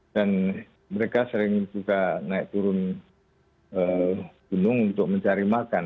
dan mereka sering juga naik turun gunung untuk mencari makan